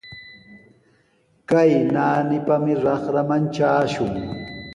Kay naanipami raqraman trashun.